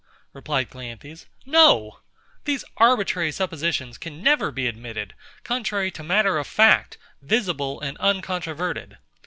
replied CLEANTHES, No! These arbitrary suppositions can never be admitted, contrary to matter of fact, visible and uncontroverted.